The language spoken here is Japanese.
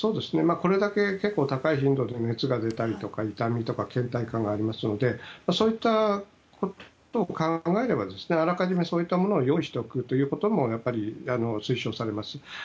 これだけ高い頻度で熱が出たりとか痛みとか、倦怠感がありますのでそういったことを考えればあらかじめ、そういったものを用意しておくことも推奨されます。